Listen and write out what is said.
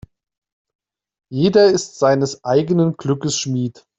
Jeder ist seines eigenen Glückes Schmied.